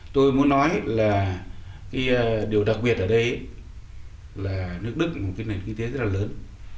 tôi muốn nói là cái điều đặc biệt ở đây là nước đức là một cái nền kinh tế rất là lớn